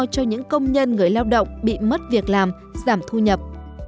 cho những công nhân người lao động bị mất việc làm giảm thu nhập